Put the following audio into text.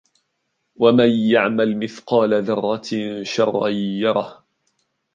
ومن يعمل مثقال ذرة شرا يره